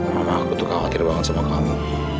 mama aku tuh khawatir banget sama kamu